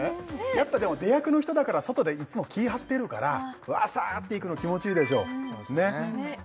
やっぱでも出役の人だから外でいつも気張ってるからわさっていくの気持ちいいでしょうねっ